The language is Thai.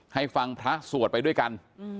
ให้ฟังพระสวดไปด้วยกัน